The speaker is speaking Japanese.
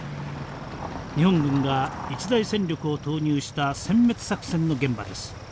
日本軍が一大戦力を投入した殲滅作戦の現場です。